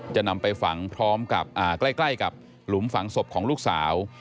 จะนำไปฝังพร้อมกับใกล้กับหลุมฝังศพของลูกสาว